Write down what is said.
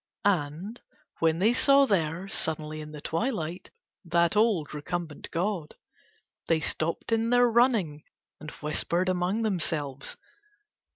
And, when they saw there, suddenly in the twilight, that old recumbent god, they stopped in their running and whispered among themselves.